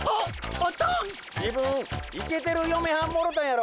自分イケてるよめはんもろたんやろ？